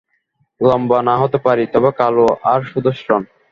লম্বা না হতে পারি, তবে কালো আর সুদর্শন।